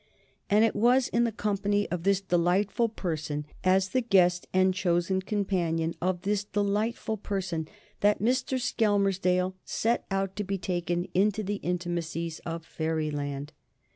And it was in the company of this delightful person, as the guest and chosen companion of this delightful person, that Mr. Skelmersdale set out to be taken into the intimacies of Fairyland.